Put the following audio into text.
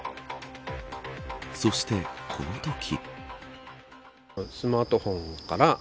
そして、このとき。